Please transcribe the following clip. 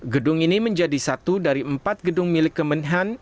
gedung ini menjadi satu dari empat gedung milik kemenhan